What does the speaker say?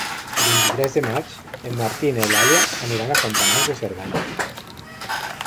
El vint-i-tres de maig en Martí i n'Eulàlia aniran a Fontanals de Cerdanya.